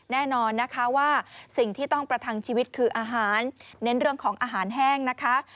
แน่นอนนะคะว่าสิ่งที่ต้องประทังชีวิตคืออาหารเน้นเรื่องของอาหารแห้งนะคะ